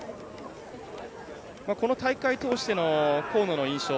この大会通しての河野の印象